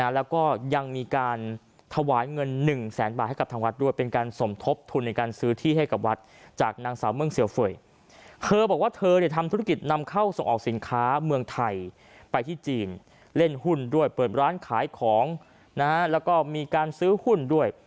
เล่นหุ้นด้วยเปิดร้านขายของแล้วก็มีการซื้อหุ้นด้วย